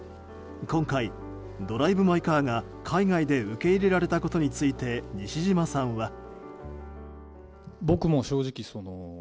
今回「ドライブ・マイ・カー」が海外で受け入れられたことについて西島さんは。